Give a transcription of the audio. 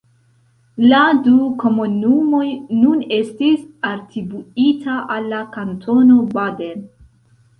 La du komunumoj nun estis atribuita al la Kantono Baden.